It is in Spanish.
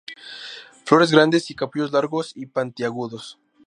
Flores grandes y capullos largos y puntiagudos.